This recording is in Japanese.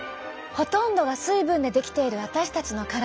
ほとんどが水分で出来ている私たちの体。